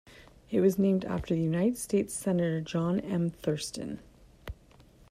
It was named after the United States Senator John M. Thurston.